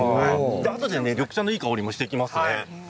あとで緑茶のいいにおいもしてきますね。